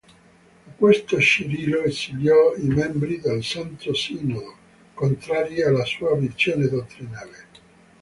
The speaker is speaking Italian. A questo Cirillo esiliò i membri del Santo Sinodo contrari alla sua visione dottrinale.